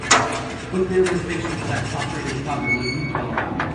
Book me a reservation for a top-rated pub in Ladue, Colorado